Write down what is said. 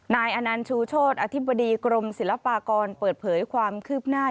อนันต์ชูโชธอธิบดีกรมศิลปากรเปิดเผยความคืบหน้า